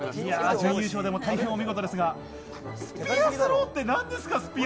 準優勝でも大変お見事ですが、スピアスローってなんですか？